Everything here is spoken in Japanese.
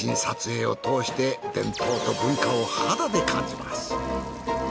撮影を通して伝統と文化を肌で感じます。